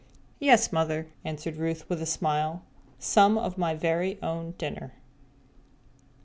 "Yes, Mother," answered Ruth with a smile, "some of my very own dinner."